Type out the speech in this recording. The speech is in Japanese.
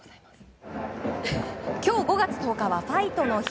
今日５月１０日はファイトの日。